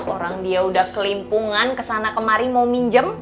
orang dia udah kelimpungan kesana kemari mau minjem